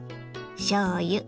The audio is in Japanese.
しょうゆ